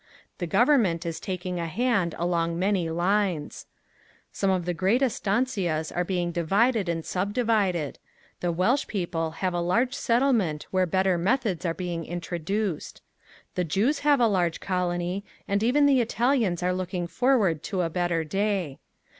The government is taking a hand along many lines. Some of the great estancias are being divided and subdivided. The Welch people have a large settlement where better methods are being introduced. The Jews have a large colony and even the Italians are looking forward to a better day.